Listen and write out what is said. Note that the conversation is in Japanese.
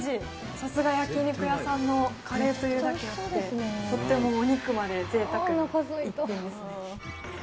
さすが焼き肉屋さんのカレーというだけあって、とってもお肉までぜいたくな一品ですね。